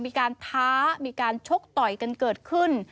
ท้ามีการชกต่อยกันเกิดขึ้น